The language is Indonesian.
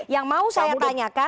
yang mau saya tanyakan